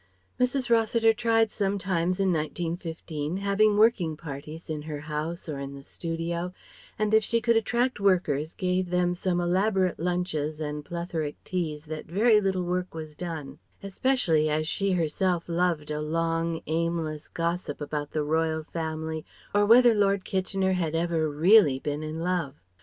Mrs. Rossiter tried sometimes in 1915 having working parties in her house or in the studio; and if she could attract workers gave them such elaborate lunches and plethoric teas that very little work was done, especially as she herself loved a long, aimless gossip about the Royal Family or whether Lord Kitchener had ever really been in love.